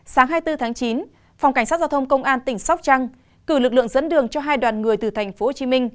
sáng hai mươi bốn tháng chín phòng cảnh sát giao thông công an tỉnh sóc trăng cử lực lượng dẫn đường cho hai đoàn người từ tp hcm